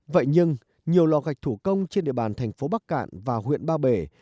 vậy nhưng nhiều lò gạch thủ công trên địa bàn thành phố bắc cạn và huyện ba bể